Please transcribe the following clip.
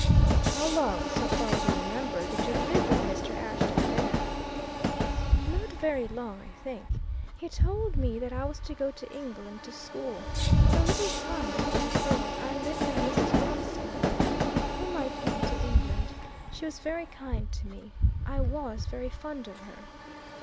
"How long, so far as you remember, did you live with Mr. Ashton there?" "Not very long, I think. He told me that I was to go to England, to school. For a little time before we sailed, I lived with Mrs. Roscombe, with whom I came to England. She was very kind to me; I was very fond of her."